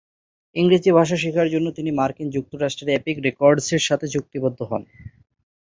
ইংরেজি ভাষা শিখার পর তিনি মার্কিন যুক্তরাষ্ট্রের এপিক রেকর্ডসের সাথে চুক্তিবদ্ধ হন।